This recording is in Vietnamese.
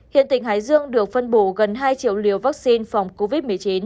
hiện tỉnh hải dương được phân bổ gần hai triệu liều vaccine phòng covid một mươi chín